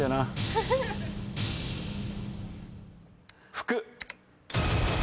服。